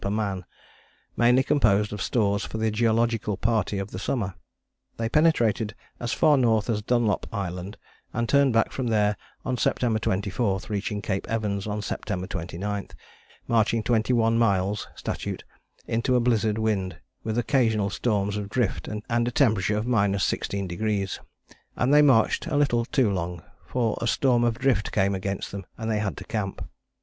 per man, mainly composed of stores for the geological party of the summer. They penetrated as far north as Dunlop Island and turned back from there on September 24, reaching Cape Evans on September 29, marching twenty one miles (statute) into a blizzard wind with occasional storms of drift and a temperature of 16°: and they marched a little too long; for a storm of drift came against them and they had to camp.